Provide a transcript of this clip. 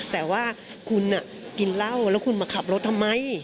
แต่ว่าคุณกินเหล้าแล้วคุณมาขับรถทำไม